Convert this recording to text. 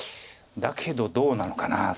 だけどどうなのかな